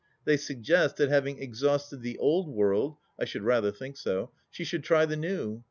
They suggest, that having exhausted the Old World — I should rather think so — she should try the New.